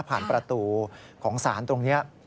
ผ่านประตูของสารตรงนี้